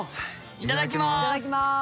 いただきます。